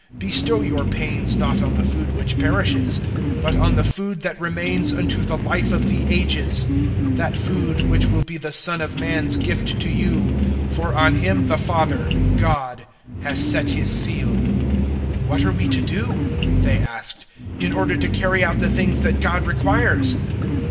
006:027 Bestow your pains not on the food which perishes, but on the food that remains unto the Life of the Ages that food which will be the Son of Man's gift to you; for on Him the Father, God, has set His seal." 006:028 "What are we to do," they asked, "in order to carry out the things that God requires?"